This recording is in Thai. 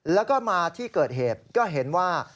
แล้วก็มาที่เกิดเหตุก็เห็นว่า